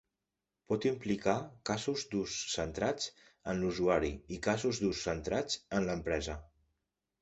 Pot implicar casos d'ús centrats en l'usuari i casos d'ús centrats en l'empresa.